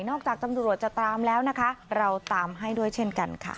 จากตำรวจจะตามแล้วนะคะเราตามให้ด้วยเช่นกันค่ะ